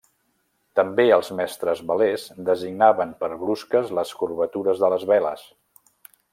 També els mestres velers designaven per brusques les curvatures de les veles.